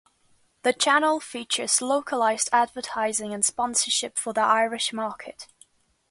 The channel features localised advertising and sponsorship for the Irish market.